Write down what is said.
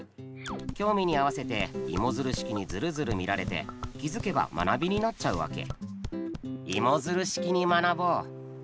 興味に合わせてイモヅル式にずるずる見られて気付けば学びになっちゃうわけ。